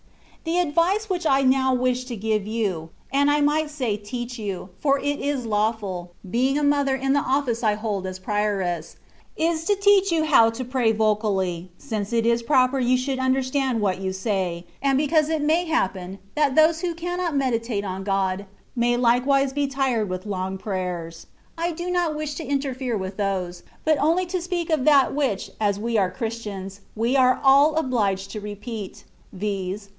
The advice which I 118 THE WAY OF PERFECTION. now wish to give you (and I might say teach you, for it is lawftil, being a mother in the office I hold as Prioress), is to teach you how to pray vocally, since it is proper you should understand what you say, and because it may happen, that those who cannot meditate on God, may likewise be tired with long prayers, I do not wish to interfere with those, but only to speak of that which (as we are Christians) we are all obliged to repeat, viz.